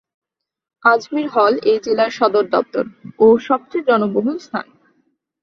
আজমির হল এ জেলার সদরদপ্তর ও সবচেয়ে জনবহুল স্থান।